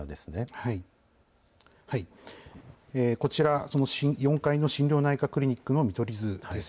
こちら、その４階の心療内科クリニックの見取り図です。